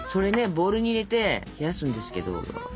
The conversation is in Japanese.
ボウルに入れて冷やすんですけど。